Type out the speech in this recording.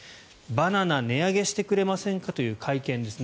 バナナ値上げしてくれませんかという会見です。